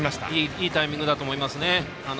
いいタイミングだと思いますね。